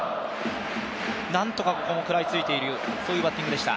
なんとかここも食らいついているそういうバッティングでした。